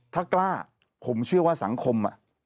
ถ้ากล้าผมเชื่อว่าสังคม